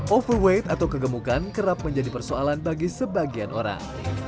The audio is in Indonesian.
overweight atau kegemukan kerap menjadi persoalan bagi sebagian orang